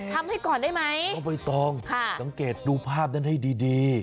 ทำให้ก่อนได้ไหมน้องใบตองสังเกตดูภาพนั้นให้ดี